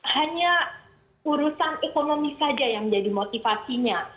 hanya urusan ekonomi saja yang menjadi motivasinya